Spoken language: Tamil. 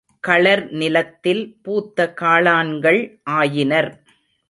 களர் நிலத்தில் பூத்த காளான்கள் ஆயினர்.